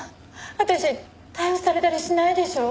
私逮捕されたりしないでしょ？